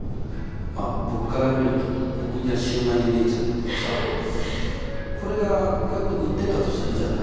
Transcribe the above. まあ僕から見ると僕にはシューマイに見えちゃうんだけどさこれがこうやって売ってたとするじゃない。